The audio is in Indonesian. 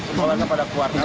sebuah warga pada keluar